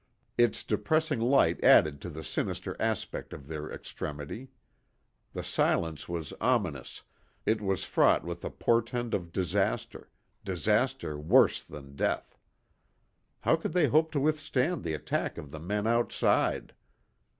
Its depressing light added to the sinister aspect of their extremity. The silence was ominous, it was fraught with a portend of disaster; disaster worse than death. How could they hope to withstand the attack of the men outside?